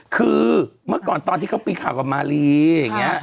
คือเมื่อก่อนตอนที่เขามีข่าวกับมารีอย่างนี้